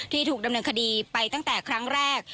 ถูกดำเนินคดีไปตั้งแต่ครั้งแรก